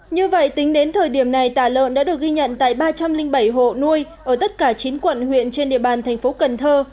như vậy tính đến thời điểm này tả lợn đã được ghi nhận tại ba trăm linh bảy hộ nuôi ở tất cả chín quận huyện trên địa bàn thành phố cần thơ